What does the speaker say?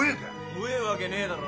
怖えわけねえだろ。